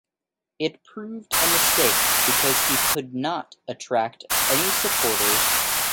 It proved a mistake, because he could not attract any supporters.